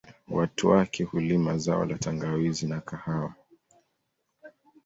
Watu wake hulima zao la tangawizi na kahawa